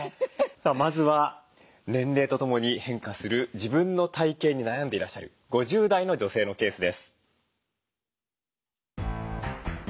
さあまずは年齢とともに変化する自分の体形に悩んでいらっしゃる５０代の女性のケースです。